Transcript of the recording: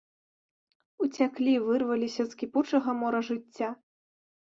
Уцяклі, вырваліся з кіпучага мора жыцця.